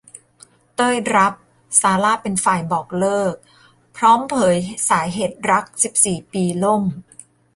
เต้ย รับ ซาร่า เป็นฝ่ายบอกเลิก พร้อมเผยสาเหตุรัก สิบสี่ ปีล่ม